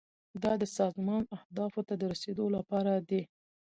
دا د سازمان اهدافو ته د رسیدو لپاره دي.